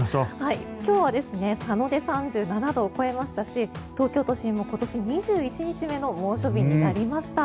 今日は佐野で３７度を超えましたし東京都心も今年２１日目の猛暑日になりました。